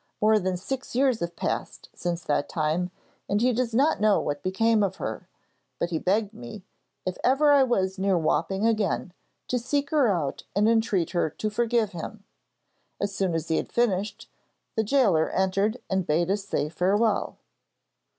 More than six years have passed since that time, and he does not know what became of her. But he begged me, if ever I was near Wapping again, to seek her out and entreat her to forgive him. As soon as he had finished, the gaoler entered and bade us say farewell.